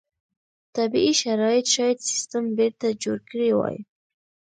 طبیعي شرایط شاید سیستم بېرته جوړ کړی وای.